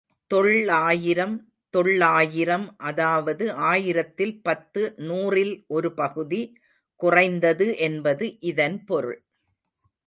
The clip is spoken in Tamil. தொள் ஆயிரம் தொள்ளாயிரம் அதாவது ஆயிரத்தில் பத்து நூறில் ஒரு பகுதி குறைந்தது என்பது இதன் பொருள்.